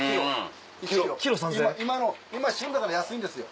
今旬だから安いんですよ